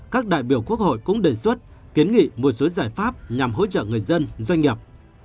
các đại biểu quốc hội cũng đề xuất kiến nghị một số giải pháp nhằm hỗ trợ người dân doanh nghiệp